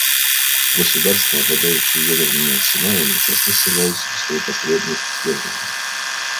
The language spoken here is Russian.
Государства, обладающие ядерными арсеналами, часто ссылаются на свою потребность в сдерживании.